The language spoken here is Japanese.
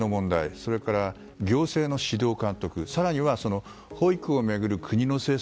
それから、行政の指導・監督更には保育を巡る国の政策